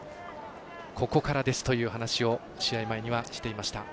ここからですという話を試合前にはしていました。